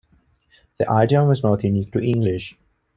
The idiom is not unique to English.